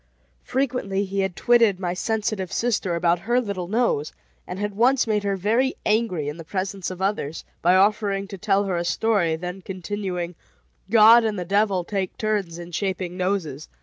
Frequently had he twitted my sensitive sister about her little nose, and had once made her very angry in the presence of others, by offering to tell her a story, then continuing: "God and the devil take turns in shaping noses.